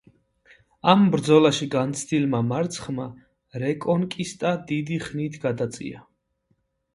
ამ ბრძოლაში განცდილმა მარცხმა რეკონკისტა დიდი ხნით გადაწია.